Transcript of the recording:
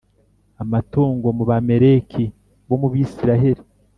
amatungo mu Bamaleki bo mu bisiraheli